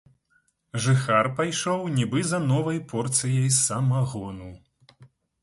Жыхар пайшоў нібы за новай порцыяй самагону.